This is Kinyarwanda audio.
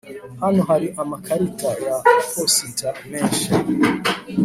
hano hari amakarita ya posita menshi